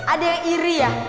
ada yang iri ya